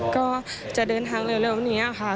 ก็จะเดินทางเร็วนี้ค่ะ